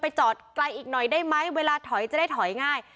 จอดไกลอีกหน่อยได้ไหมเวลาถอยจะได้ถอยง่าย